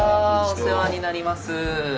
お世話になります。